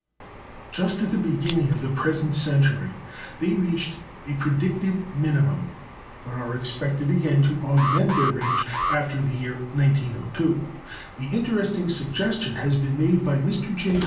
Just at the beginning of the present century they reached a predicted minimum, but are expected again to augment their range after the year 1902. The interesting suggestion has been made by Mr. J.